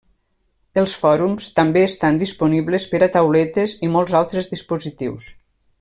Els fòrums també estan disponibles per a tauletes i molts altres dispositius.